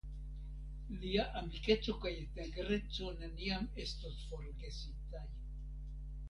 Lia amikeco kaj integreco neniam estos forgesitaj.